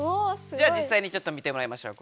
じゃあじっさいにちょっと見てもらいましょう。